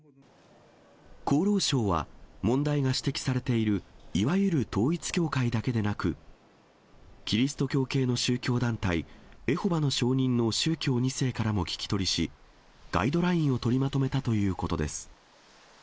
厚労省は、問題が指摘されているいわゆる統一教会だけでなく、キリスト教系の宗教団体、エホバの証人の宗教２世からも聞き取りし、ガイドラインを取りまとめたということです。